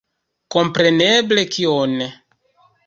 Kompreneble, kion!